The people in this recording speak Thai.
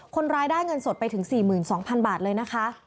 คนร้ายได้เงินสดไปถึง๔๒๐๐๐บาทเลยนะคะ